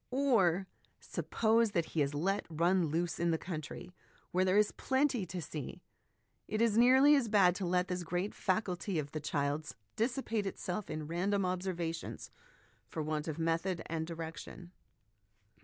Or suppose that he is let run loose in the country where there is plenty to see, it is nearly as bad to let this great faculty of the child's dissipate itself in random observations for want of method and direction.